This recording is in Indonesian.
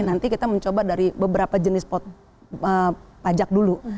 nanti kita mencoba dari beberapa jenis pajak dulu